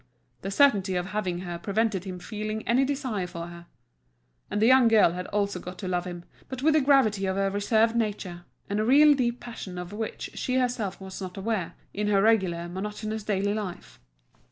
The certainty of having her prevented him feeling any desire for her. And the young girl had also got to love him, but with the gravity of her reserved nature, and a real deep passion of which she herself was not aware, in her regular, monotonous daily life.